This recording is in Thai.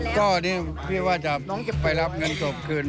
ก็นี่พี่ว่าน้องจะไปรับเงินสดคืน